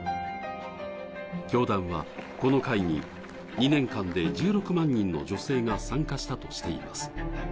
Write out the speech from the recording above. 教団はこの会に２年間で１６万人の女性が参加したとしています。